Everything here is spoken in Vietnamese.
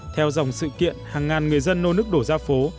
theo dòng sự kiện hàng ngàn người dân nô nước đổ ra phố